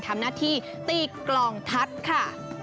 ทำหน้าที่ตีกล่องทัศน์ค่ะ